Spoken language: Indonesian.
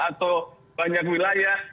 atau banyak wilayah